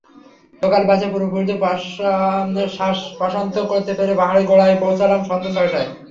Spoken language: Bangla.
লোকাল বাসের পূর্বপুরুষদের শাপশাপান্ত করতে করতে পাহাড়ের গোড়ায় পৌঁছালাম সন্ধ্যা ছয়টায়।